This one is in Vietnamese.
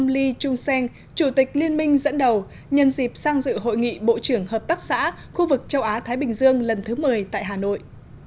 li chun seng chủ tịch liên minh dẫn đầu nhân dịp sang dự hội nghị bộ trưởng hợp tác xã khu vực châu á thái bình dương lần thứ một mươi tại hà nội